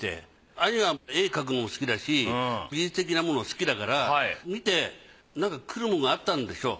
兄は絵を描くのも好きだし美術的なもの好きだから見てなんかくるものがあったんでしょう。